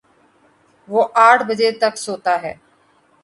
وہ آٹھ بجے تک سوتا ہے